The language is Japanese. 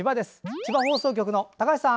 千葉放送局の高橋さん！